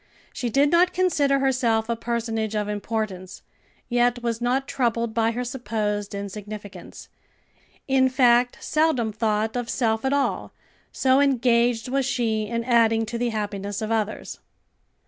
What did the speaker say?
She did not consider herself a personage of importance, yet was not troubled by her supposed insignificance; in fact seldom thought of self at all, so engaged was she in adding to the happiness of others.